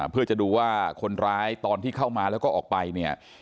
เพื่อจะดูว่าคนร้ายตอนที่เข้ามาแล้วก็ออกไปเนี่ย